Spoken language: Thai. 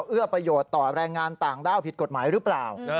เอื้อประโยชน์ต่อแรงงานต่างด้าวผิดกฎหมายหรือเปล่า